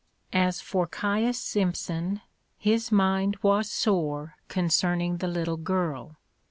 As for Caius Simpson, his mind was sore concerning the little girl.